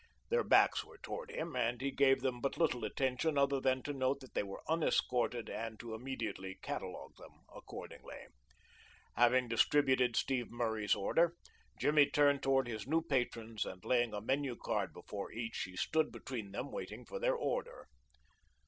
Their backs were toward him, and he gave them but little attention other than to note that they were unescorted and to immediately catalogue them accordingly. Having distributed Steve Murray's order, Jimmy turned toward his new patrons, and, laying a menu card before each, he stood between them waiting for their order.